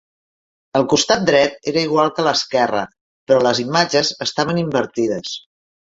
El costat dret era igual que l'esquerra, però les imatges estaven invertides.